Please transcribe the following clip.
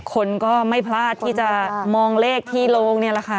คนก็ไม่พลาดที่จะมองเลขที่โรงนี่แหละค่ะ